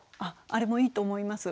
あれもいいと思います。